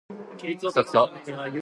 クソクソ